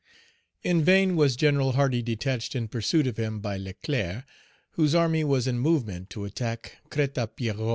In vain was General Hardy detached in pursuit of him by Leclerc, whose army was in movement to attack Crête à Pierrot.